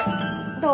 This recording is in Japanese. どう？